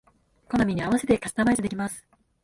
好みに合わせてカスタマイズできます